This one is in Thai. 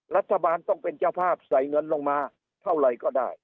รัฐบาลต้องเป็นเจ้าภาพใส่เงินลงมาเท่าไหร่ก็ได้